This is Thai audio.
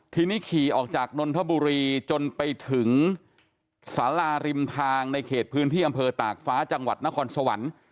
ทีนี้ขี่ออกจากนนทบุรีจนไปถึงสาราริมทางในเขตพื้นที่อำเภอตากฟ้าจังหวัดนครสวรรค์